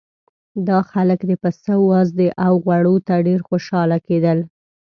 دا خلک د پسه وازدې او غوړو ته ډېر خوشاله کېدل.